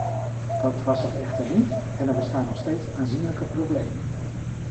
Dat was het echter niet en er bestaan nog steeds aanzienlijke problemen.